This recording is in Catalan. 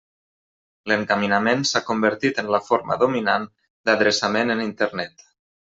L'encaminament s'ha convertit en la forma dominant d'adreçament en Internet.